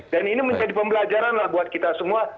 dan ini menjadi pembelajaran lah buat kita semua